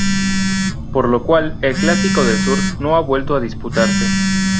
Por lo cual el clásico del sur no ha vuelto a disputarse.